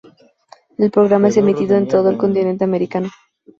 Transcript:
El programa es emitido en todo el continente americano.